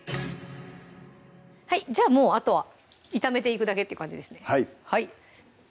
はいじゃあもうあとは炒めていくだけって感じですね